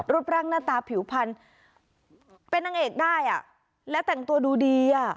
รูปร่างหน้าตาผิวพันธุ์เป็นนางเอกได้อ่ะและแต่งตัวดูดีอ่ะ